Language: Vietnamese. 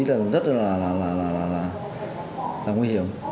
rất là nguy hiểm